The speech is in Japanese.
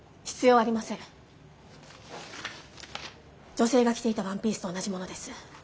女性が着ていたワンピースと同じものです。